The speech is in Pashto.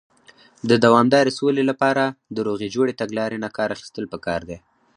د دوامدارې سولې لپاره، د روغې جوړې تګلارې نۀ کار اخيستل پکار دی.